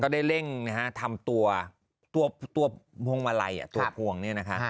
ก็ได้เร่งทำตัวพวงมาลัยตัวพวงนี้นะคะ